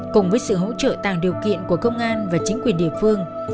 cùng với sự hỗ trợ tạo điều kiện của công an và chính quyền địa phương